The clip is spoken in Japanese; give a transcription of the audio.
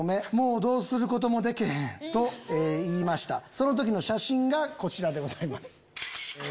その時の写真がこちらでございます。